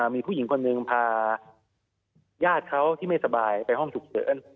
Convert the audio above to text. มีผู้หญิงคนหนึ่งพาญาติเขาที่ไม่สบายไปห้องฉุกเฉิน